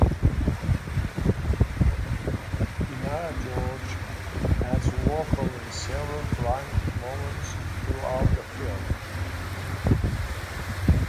Inara George adds vocals in several climactic moments throughout the film.